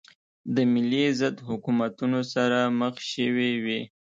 د ملي ضد حکومتونو سره مخ شوې وې.